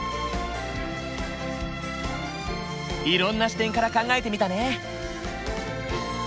いろんな視点から考えてみたね。